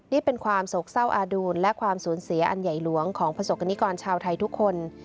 นี่เป็นความโศกเศร้าอาดูลและความสูญเสียอันใหญ่หลวงของประสบกรณิกรชาวไทยทุกคน